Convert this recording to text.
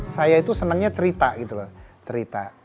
saya itu senangnya cerita gitu loh cerita